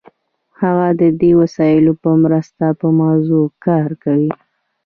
هغه د دې وسایلو په مرسته په موضوع کار کوي.